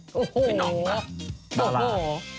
โอ้โฮโอ้โฮเดี๋ยวครับน้องมาบารา